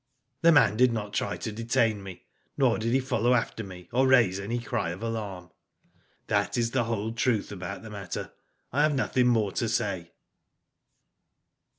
"The man did not try to detain me, nor did he follow after me, or raise any cry of alarm. '' That is the whole truth about the matter. I have nothing more to say.''